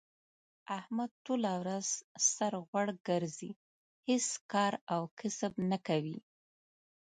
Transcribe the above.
احمد ټوله ورځ سر غوړ ګرځی، هېڅ کار او کسب نه کوي.